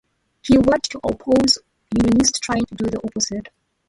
He worked to oppose unionists trying to do the opposite.